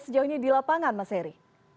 sejauhnya di lapangan mas heri